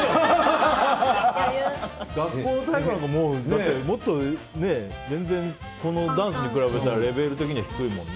学校の体育なんかもっと全然ダンスに比べたらレベル低いもんね。